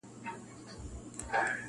• ستا د وعدې په توره شپه کي مرمه -